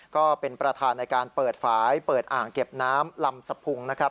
ก็เป็นประธานในการเปิดฝายเปิดอ่างเก็บน้ำลำสะพุงนะครับ